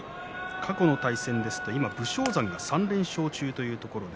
過去の対戦ですと武将山、３連勝中です。